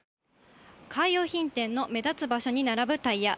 カー用品店の目立つ場所に並ぶタイヤ。